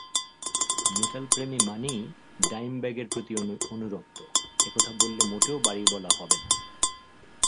মেটালপ্রেমী মাত্রই ডাইমব্যাগের প্রতি অনুরক্ত—একথা বললে মোটেও বাড়িয়ে বলা হবে না।